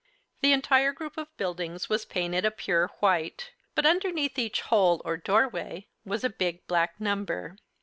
The entire group of buildings was painted a pure white, but underneath each hole, or doorway, was a big, black number.